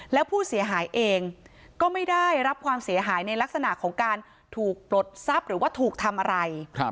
แล้วผู้เสียหายเองก็ไม่ได้รับความเสียหายในลักษณะของการถูกปลดทรัพย์หรือว่าถูกทำอะไร